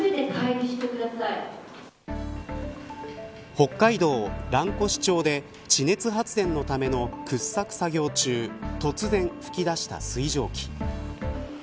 北海道蘭越町で地熱発電のための掘削作業中突然噴き出した水蒸気。